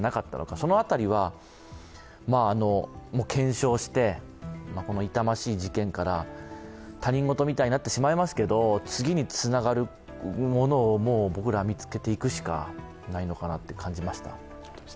その辺りは検証してこの痛ましい事件から他人事みたいになってしまいますが次につながるものを僕らは見つけていくしかないのかなと感じました。